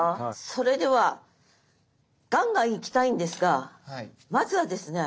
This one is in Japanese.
それではガンガン行きたいんですがまずはですね。